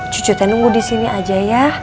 cucu teh nunggu disini aja ya